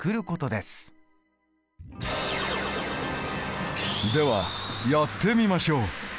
ではやってみましょう。